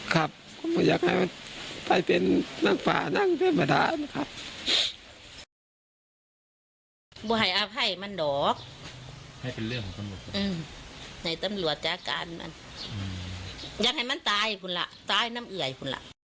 ครับผมอยากให้มันไปเป็นนั่งฝ่านั่งเป็นประดาษนะครับ